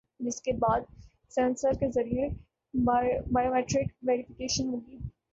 جس کے بعد سینسر کے ذریعے بائیو میٹرک ویری فیکیشن ہوگی